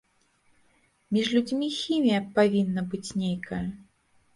Між людзьмі хімія павінна быць нейкая.